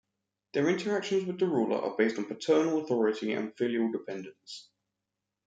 Their interactions with the ruler are based on paternal authority and filial dependence.